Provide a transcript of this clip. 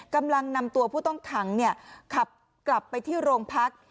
กำลังนำตัวผู้ต้องขังขับกลับไปที่โรงพัก